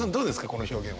この表現は。